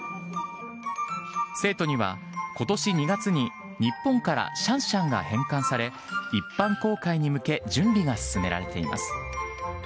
成都には、ことし２月に日本からシャンシャンが返還され、一般公開に向け、準備が進められています。